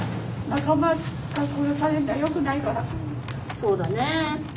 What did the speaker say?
そうだね。